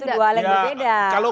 itu dua hal yang berbeda